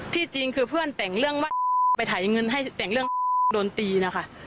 จริงคือเพื่อนแต่งเรื่องว่าไปถ่ายเงินให้แต่งเรื่องโดนตีนะคะ